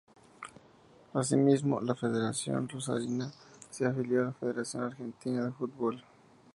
Asimismo, la Federación rosarina se afilió a la Federación Argentina de Football.